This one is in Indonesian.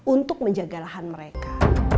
untuk menjaga lahan mereka